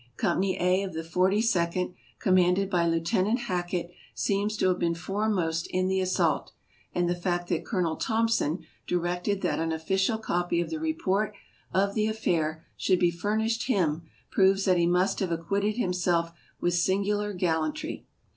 Company A of the Forty second, commanded by Lieutenant Hackett, seems to have been foremost in the assault, and the fact that Colonel Thompson directed that an official copy of the report of the affair should be furnished him, proves that he must have acquitted himself with singular gallantry.